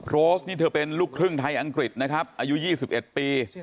โรสนี่เธอเป็นลูกครึ่งไทยอังกฤษนะครับอายุ๒๑ปี